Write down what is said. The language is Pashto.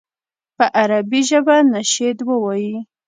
په عربي ژبه نشید ووایي.